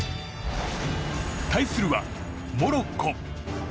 対するはモロッコ。